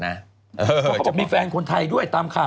เพราะเขาบอกมีแฟนคนไทยด้วยตามข่าว